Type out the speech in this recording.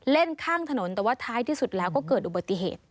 ข้างถนนแต่ว่าท้ายที่สุดแล้วก็เกิดอุบัติเหตุ